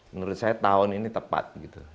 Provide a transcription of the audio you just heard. menurut saya tahun ini tepat